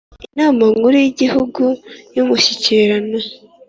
Inama nkuru yigihugu yumushyikirano